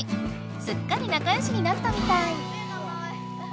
すっかりなかよしになったみたい。